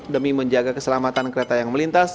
demi menjaga keselamatan kereta yang melintas